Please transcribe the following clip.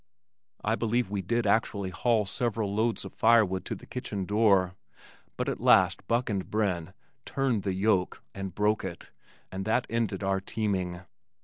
I believe we did actually haul several loads of firewood to the kitchen door, but at last Buck and Brin "turned the yoke" and broke it, and that ended our teaming.